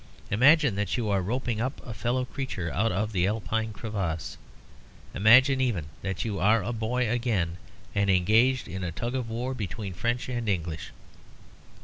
Imagine that you are roping up a fellow creature out of an Alpine crevass. Imagine even that you are a boy again and engaged in a tug of war between French and English."